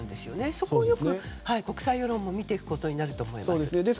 そこをよく国際世論も見ていくことになると思います。